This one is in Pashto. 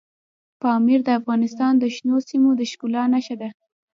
پامیر د افغانستان د شنو سیمو د ښکلا نښه ده.